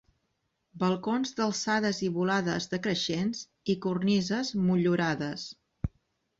Balcons d'alçades i volades decreixents i cornises motllurades.